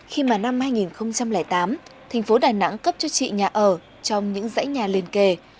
khi mà năm hai nghìn tám thành phố đà nẵng cấp cho chị nhà ở trong những dãy nhà liền kề